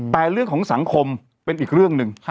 แต่เรื่องของสังคมเป็นอีกเรื่องหนึ่ง